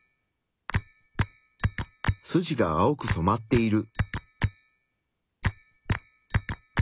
筋が青く染まっている。